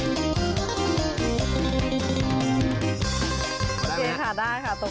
โอเคค่ะได้ค่ะตรงนี้เลยค่ะ